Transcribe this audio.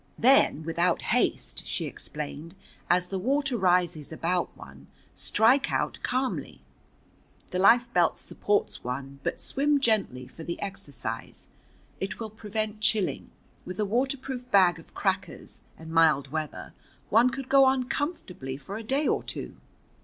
"Then without haste," she explained, "as the water rises about one, strike out calmly. The life belt supports one, but swim gently for the exercise. It will prevent chilling. With a waterproof bag of crackers, and mild weather, one could go on comfortably for a day or two."